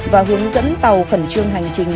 và hướng dẫn tàu khẩn trương hành trình